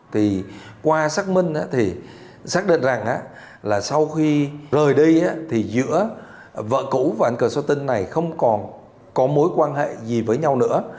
thì qua xác minh thì xác định rằng là sau khi rời đi thì giữa vợ cũ và anh cờ sh tinh này không còn có mối quan hệ gì với nhau nữa